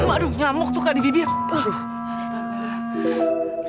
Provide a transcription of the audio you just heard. aduh nyamuk tuh kak di bibir astaga